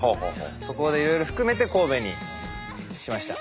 そこでいろいろ含めて神戸にしました。